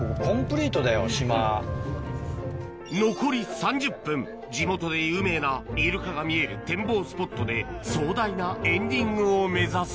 残り３０分地元で有名なイルカが見える展望スポットで壮大なエンディングを目指す